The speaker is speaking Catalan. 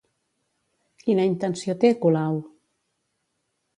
Quina intenció té, Colau?